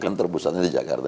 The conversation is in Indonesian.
kan terpusatnya di jakarta